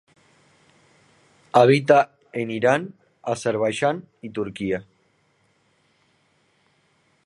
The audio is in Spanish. Habita en Irán, Azerbaiyán y Turquía.